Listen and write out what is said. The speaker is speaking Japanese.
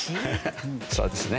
そうですね。